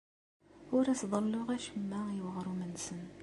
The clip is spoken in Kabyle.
Ur as-ḍelluɣ acemma i weɣrum-nsen.